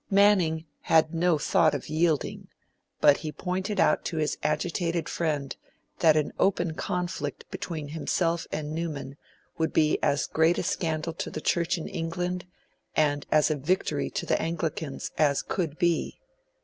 Manning had no thought of 'yielding'; but, he pointed out to his agitated friend that an open conflict between himself and Newman would be 'as great a scandal to the Church in England, and as great a victory to the Anglicans, as could be'.